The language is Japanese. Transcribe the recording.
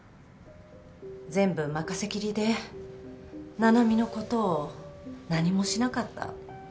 全部任せきりで七海のことを何もしなかった私のせい。